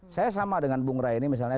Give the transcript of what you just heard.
saya sama dengan bung rai ini misalnya